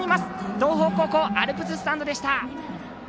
東邦高校アルプススタンドでした。